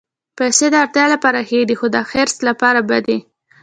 پېسې د اړتیا لپاره ښې دي، خو د حرص لپاره بدې.